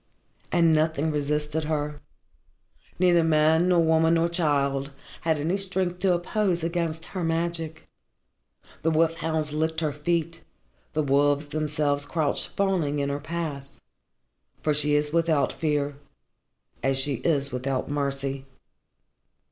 And nothing resisted her. Neither man nor woman nor child had any strength to oppose against her magic. The wolf hounds licked her feet, the wolves themselves crouched fawning in her path. For she is without fear as she is without mercy.